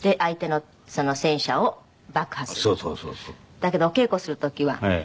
だけどお稽古する時は。